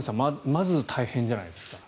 まず大変じゃないですか。